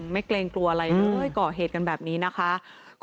เกรงกลัวอะไรเลยก่อเหตุกันแบบนี้นะคะ